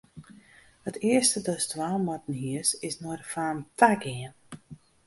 It earste datst dwaan moatten hiest, is nei de faam ta gean.